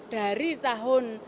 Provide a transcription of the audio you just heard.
dari tahun dua ribu delapan belas